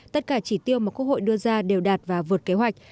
tất cả chỉ tiêu mà quốc hội đưa ra đều đạt và vượt kế hoạch